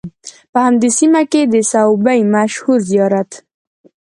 په همدې سیمه کې د سوبۍ مشهور زیارت